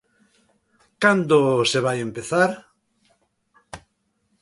¿Cando se vai empezar?